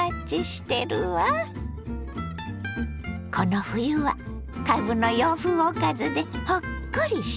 この冬はかぶの洋風おかずでほっこりしてね。